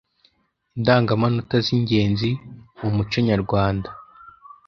Indangamanota z’ingenzi mu Muco Nyarwanda”